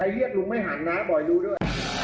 เรียกลุงไม่หันนะบอยดูด้วย